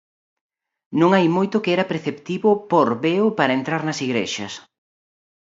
Non hai moito que era preceptivo pór veo para entrar nas igrexas.